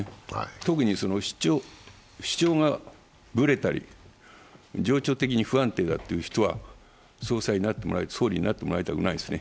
特に主張がブレたり、情緒的に不安定だという人は総理になってもらいたくないですね。